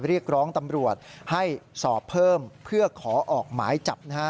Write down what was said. เรียกร้องตำรวจให้สอบเพิ่มเพื่อขอออกหมายจับนะฮะ